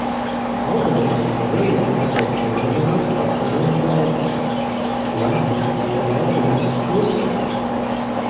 Autobusos no rītdienas esot ierobežots pasažieru daudzums. Lai tik tie autobusi kursētu...